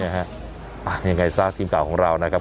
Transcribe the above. ยังไงซะทีมข่าวของเรานะครับ